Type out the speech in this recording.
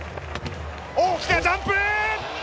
大きなジャンプ。